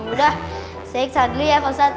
yaudah saya ikhlas dulu ya pak ustadz